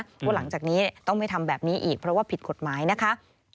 เพราะหลังจากนี้ต้องไม่ทำแบบนี้อีกเพราะว่าผิดกฎหมายนะคะ